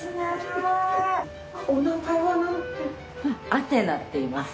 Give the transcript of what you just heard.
アテナっていいます。